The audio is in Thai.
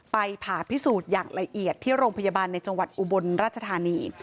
ผ่าพิสูจน์อย่างละเอียดที่โรงพยาบาลในจังหวัดอุบลราชธานี